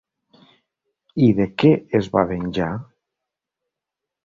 I de què es va venjar?